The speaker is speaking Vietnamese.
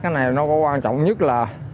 cái này nó có quan trọng nhất là